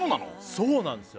そうなんですよ